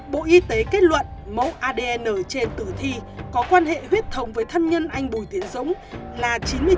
bộ y tế kết luận mẫu adn trên tử thi có quan hệ huyết thống với thân nhân anh bùi tiến dũng là chín mươi chín chín trăm chín mươi chín